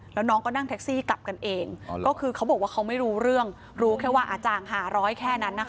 แล้วน้องก็นั่งแท็กซี่กลับกันเองก็คือเขาบอกว่าเขาไม่รู้เรื่องรู้แค่ว่าอาจารย์๕๐๐แค่นั้นนะคะ